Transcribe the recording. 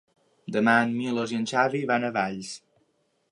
Demà en Milos i en Xavi van a Valls.